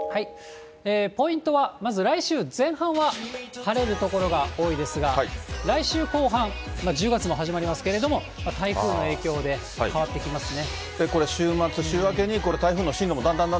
ポイントはまず来週前半は晴れる所が多いですが、来週後半、１０月も始まりますけれども、台風の影響で、変わってきますね。